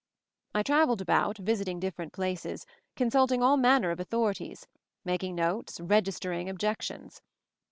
I traveled about, visiting different places, consulting all manner of authorities, mak ing notes, registering objections.